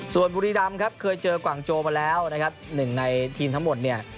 ส่วนบุรีรำครับเคยเจอกว่างโจมาแล้วนะครับหนึ่งในทีมทั้งหมดเนี่ย